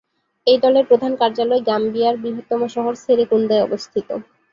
এই দলের প্রধান কার্যালয় গাম্বিয়ার বৃহত্তম শহর সেরেকুন্দায় অবস্থিত।